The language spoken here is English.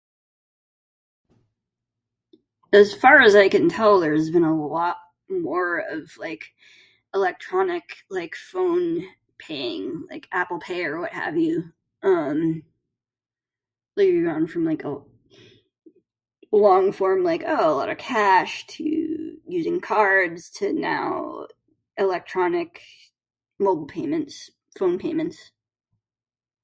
As far as I can tell, there's been a lot more of like electronic like phone paying like apple pay or what have you. Um, like we've gone from like a long form, like, oh a lot of cash, to using cards, to now electronic mobile payments, phone payments.